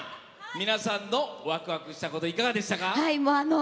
皆さんのワクワクしたこといかがでしたか？